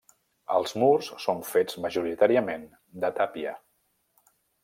Els murs són fets majoritàriament de tàpia.